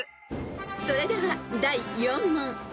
［それでは第４問］